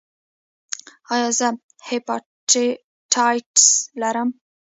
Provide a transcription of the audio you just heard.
ایا زه هیپاټایټس لرم؟